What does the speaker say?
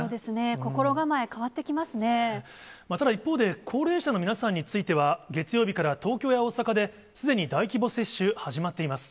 心構え、変わっただ、一方で高齢者の皆さんについては、月曜日から、東京や大阪ですでに大規模接種、始まっています。